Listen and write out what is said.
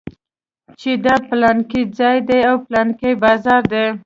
چې دا پلانکى ځاى دى دا پلانکى بازار دى.